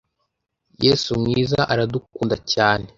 yesu mwiza aradukunda cyane